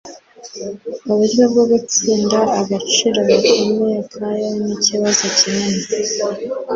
uburyo bwo gutsinda agaciro gakomeye ka yen nikibazo kinini